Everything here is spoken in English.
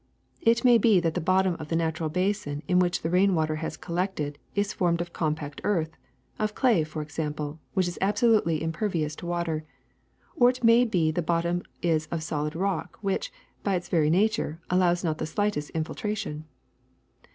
^^It may be that the bottom of the natural basin in which the rain water has collected is formed of compact earth — of clay, for example, which is abso lutely impervious to water — or it may be the bottom is of solid rock which, by its very nature, allows not the slightest infiltration.